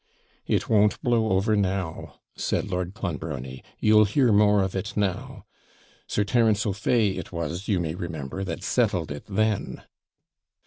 'If won't blow over now,' said Lord Clonbrony; 'you'll hear more of it now. Sir Terence O'Fay it was, you may remember, that settled it then.'